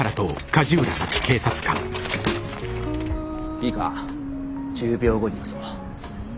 いいか１０秒後に行くぞ。